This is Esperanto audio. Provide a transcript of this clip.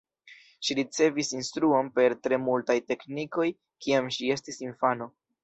Ŝi ricevis instruon per tre multaj teknikoj kiam ŝi estis infano.